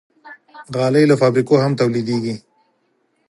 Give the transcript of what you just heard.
غالۍ له فابریکو هم تولیدېږي.